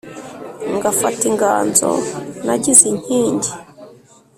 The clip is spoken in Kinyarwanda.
ngafata inganzo nagize inkingi